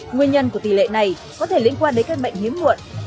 nguyên nhân của tỷ lệ này có thể liên quan đến các mệnh hiếm muộn